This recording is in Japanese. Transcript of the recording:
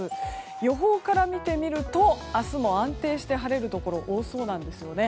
予報から見てみると明日も安定して晴れるところ多そうなんですね。